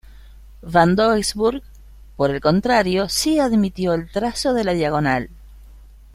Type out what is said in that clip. Van Doesburg, por el contrario, sí admitió el trazo de la diagonal.